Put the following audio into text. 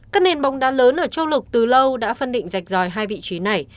các nền bóng đá lớn ở trâu lục từ lâu đã phân định rạch ròi hai vị trí này